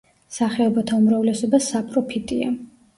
სახეობათა უმრავლესობა საპროფიტია.